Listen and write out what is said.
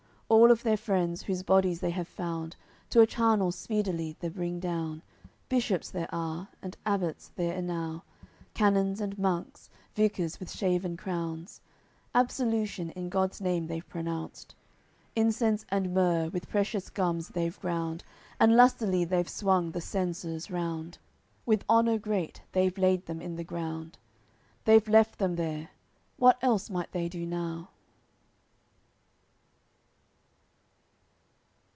All of their friends, whose bodies they have found To a charnel speedily the bring down. Bishops there are, and abbots there enow, Canons and monks, vicars with shaven crowns; Absolution in God's name they've pronounced; Incense and myrrh with precious gums they've ground, And lustily they've swung the censers round; With honour great they've laid them in the ground. They've left them there; what else might they do now?